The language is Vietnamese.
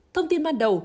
thông tin ban đầu